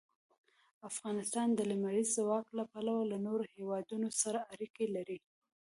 افغانستان د لمریز ځواک له پلوه له نورو هېوادونو سره اړیکې لري.